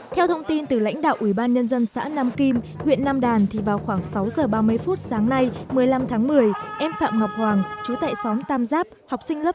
theo thông tin từ lãnh đạo ủy ban nhân dân xã nam kim huyện nam đàn thì vào khoảng sáu h ba mươi phút sáng nay một mươi năm tháng một mươi em phạm ngọc hoàng chú tại xóm tam giáp